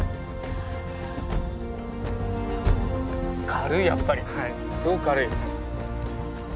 軽いやっぱりすごく軽い。